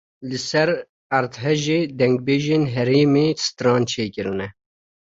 Li ser erdhejê dengbêjên herêmê stran çêkirine.